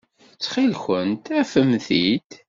Ttxil-kent, afemt-t-id.